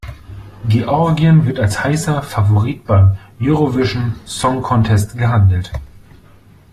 Georgien wird als heißer Favorit beim Eurovision Song Contest gehandelt.